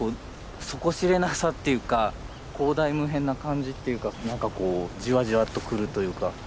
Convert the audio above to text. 底知れなさっていうか広大無辺な感じっていうか何かじわじわと来るというか。